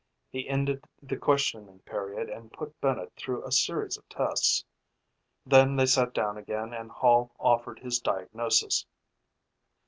He ended the questioning period and put Bennett through a series of tests. Then they sat down again and Hall offered his diagnosis.